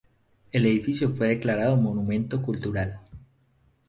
El edificio fue declarado monumento cultural.